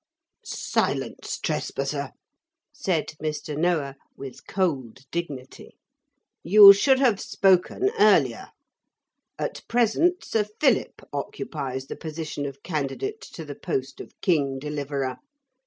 'Silence, trespasser,' said Mr. Noah, with cold dignity. 'You should have spoken earlier. At present Sir Philip occupies the position of candidate to the post of King Deliverer.